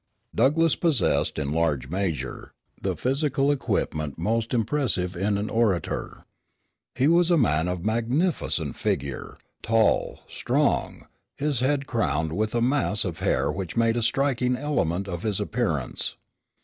Douglass possessed, in large measure, the physical equipment most impressive in an orator. He was a man of magnificent figure, tall, strong, his head crowned with a mass of hair which made a striking element of his appearance.